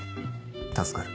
助かる。